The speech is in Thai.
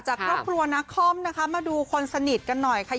จากครอบครัวนาคอมนะคะมาดูคนสนิทกันหน่อยค่ะ